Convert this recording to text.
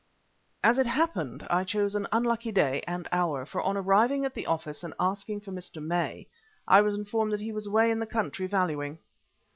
As it happened I chose an unlucky day and hour, for on arriving at the office and asking for Mr. May, I was informed that he was away in the country valuing.